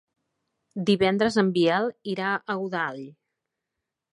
Divendres en Biel irà a Godall.